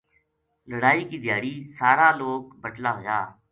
لڑائی کی دھیاڑی سارا لوک بٹلا ہویا